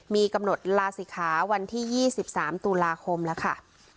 มีกำหนดลาศิกาวันที่ยี่สิบสามตุลาคมแล้วค่ะ